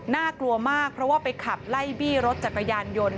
น่ากลัวมากเพราะว่าไปขับไล่บี้รถจักรยานยนต์